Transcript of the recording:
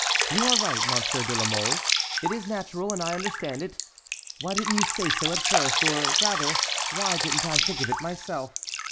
You are right, Monsieur de la Mole; it is natural, and I understand it. Why didn't you say so at first? or rather, why didn't I think of it myself?